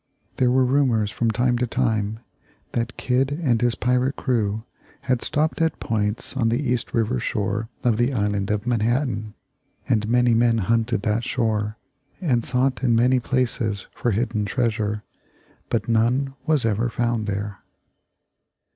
There were rumors from time to time that Kidd and his pirate crew had stopped at points on the East River shore of the Island of Manhattan, and many men hunted that shore and sought in many places for hidden treasure, but none was ever found there.